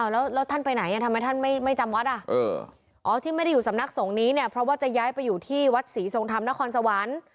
แล้วท่านไปไหนทำไมท่านไม่จำวัดอ๋อที่ไม่ได้อยู่สำนักสงฆ์นี้เนี่ยเพราะว่าจะย้ายไปอยู่ที่วัดศรีทรงธรรมนครสวรรค์